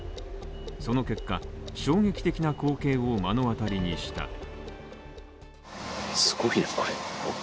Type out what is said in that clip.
その結果、衝撃的な光景を目の当たりにした。